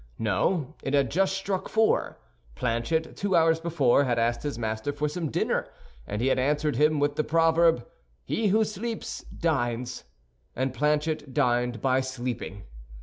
No, it had just struck four. Planchet, two hours before, had asked his master for some dinner, and he had answered him with the proverb, "He who sleeps, dines." And Planchet dined by sleeping.